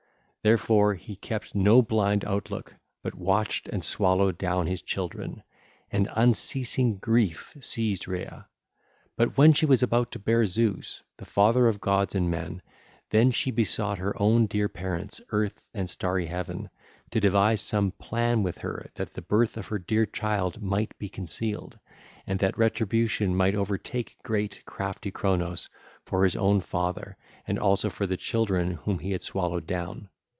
Therefore he kept no blind outlook, but watched and swallowed down his children: and unceasing grief seized Rhea. But when she was about to bear Zeus, the father of gods and men, then she besought her own dear parents, Earth and starry Heaven, to devise some plan with her that the birth of her dear child might be concealed, and that retribution might overtake great, crafty Cronos for his own father and also for the children whom he had swallowed down.